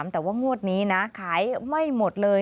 แต่ว่างวดนี้นะขายไม่หมดเลย